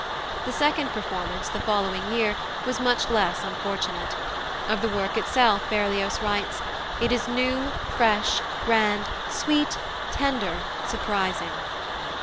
The second performance, the following year, was much less unfortunate. Of the work itself Berlioz writes: "It is new, fresh, grand, sweet, tender, surprising."